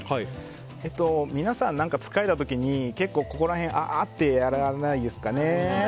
皆さん、疲れた時に結構こめかみら辺あーってやらないですかね。